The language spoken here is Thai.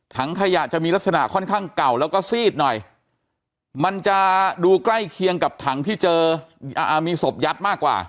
ถังขยะจะมีลักษณะค่อนข้างเก่าแล้วก็ซีดหน่อยมันจะดูใกล้เคียงกับถังที่เจอมีศพยัดมากกว่า